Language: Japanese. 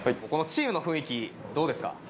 このチームの雰囲気どうですか？